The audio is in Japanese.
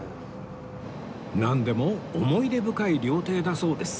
なんでも思い出深い料亭だそうです